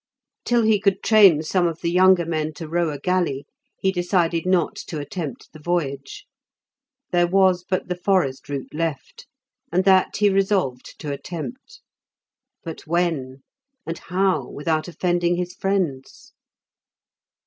Till he could train some of the younger men to row a galley, he decided not to attempt the voyage. There was but the forest route left, and that he resolved to attempt; but when? And how, without offending his friends?